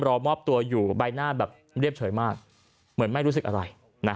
รอมอบตัวอยู่ใบหน้าแบบเรียบเฉยมากเหมือนไม่รู้สึกอะไร